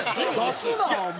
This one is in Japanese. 出すなお前！